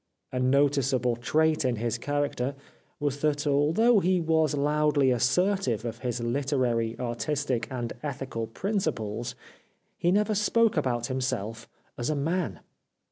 A noticeable trait in his character was that al though he was loudly assertive of his literary, artistic, and ethical principles he never spoke about himself as a man.